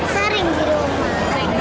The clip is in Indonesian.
sering di rumah